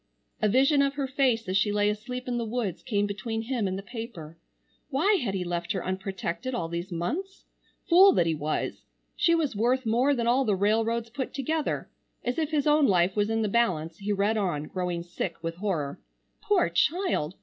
A vision of her face as she lay asleep in the woods came between him and the paper. Why had he left her unprotected all these months? Fool that he was! She was worth more than all the railroads put together. As if his own life was in the balance, he read on, growing sick with horror. Poor child!